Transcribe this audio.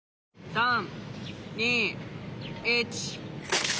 ３２１。